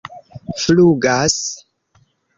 flugas